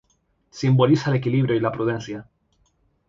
Simboliza el equilibrio y la prudencia.